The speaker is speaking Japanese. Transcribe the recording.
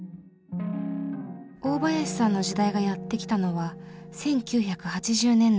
大林さんの時代がやって来たのは１９８０年代。